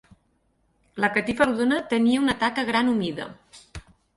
La catifa rodona tenia una taca gran humida.